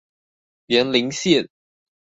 員林線